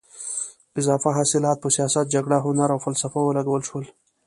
اضافه حاصلات په سیاست، جګړه، هنر او فلسفه ولګول شول.